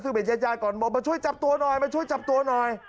ซึ่งเป็นญาติญาติก่อนบอกมาช่วยจับตัวหน่อยมาช่วยจับตัวหน่อย